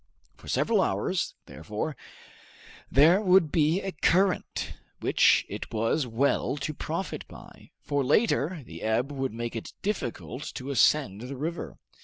For several hours, therefore, there would be a current, which it was well to profit by, for later the ebb would make it difficult to ascend the river.